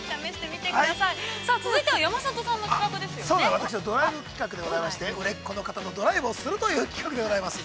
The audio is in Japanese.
私のドライブ企画でございまして売れっ子の方とドライブをするという企画でございます。